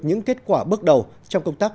những kết quả bước đầu trong công tác